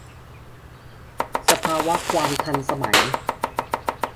สภาวะความทันสมัย